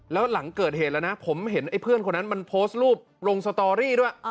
แล้วหลังเกิดเหตุแล้วนะผมเห็นไอ้เพื่อนคนนั้นมันโพสต์รูปลงสตอรี่ด้วย